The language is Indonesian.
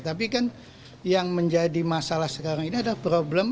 tapi kan yang menjadi masalah sekarang ini adalah problem